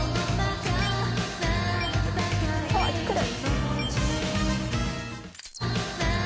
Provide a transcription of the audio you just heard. あっくる！